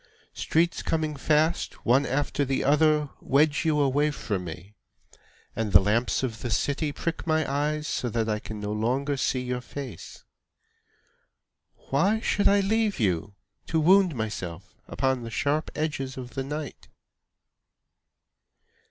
Streets coming fast, One after the other, Wedge you away from me, And the lamps of the city prick my eyes So that I can no longer see your face. Why should I leave you, To wound myself upon the sharp edges of the night?